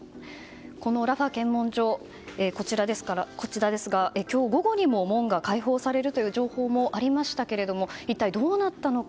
このラファ検問所、今日午後に門が開放されるという情報もありましたけれども一体どうなったのか。